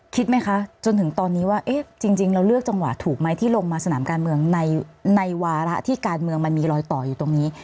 คิดไหมคะจนถึงตอนนี้ว่าจริงเราเลือกจังหวะถูกไหมที่ลงมาสนามการเมืองในวาระที่การเมืองมันมีรอยต่ออยู่ตรงนี้